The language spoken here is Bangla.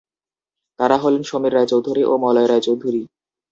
তারা হলেন সমীর রায়চৌধুরী ও মলয় রায়চৌধুরী।